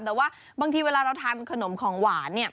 แต่ว่าบางทีเวลาเราทานขนมของหวานเนี่ย